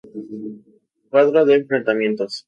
Cuadro de enfrentamientos